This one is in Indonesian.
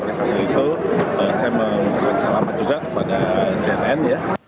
oleh karena itu saya mengucapkan selamat juga kepada cnn